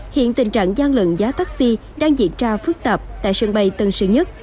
hiện tình trạng gian lận giá taxi đang diễn ra phức tạp tại sân bay tân sơn nhất